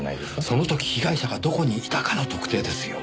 その時被害者がどこにいたかの特定ですよ。